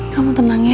kamu tenang ya